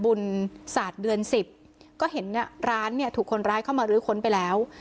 บุญศาสตร์เดือน๑๐ก็เห็นเนี่ยร้านเนี่ยถูกคนร้ายเข้ามารื้อค้นไปแล้ว